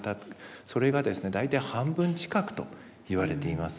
それがですね大体半分近くと言われています。